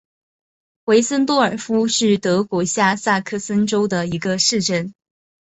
韦森多尔夫是德国下萨克森州的一个市镇。